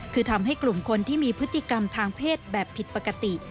คือทำให้กลุ่มคนที่มีพฤติกรรมทางเพศแบบผิดปกติ